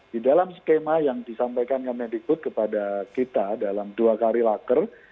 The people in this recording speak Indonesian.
di dalam skema yang disampaikan kementerian diput kepada kita dalam dua kali lakar